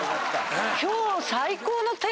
今日。